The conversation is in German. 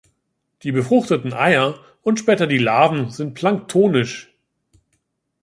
Die befruchteten Eier und später die Larven sind planktonisch.